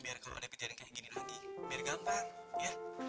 biar kalau ada begini lagi biar gampang ya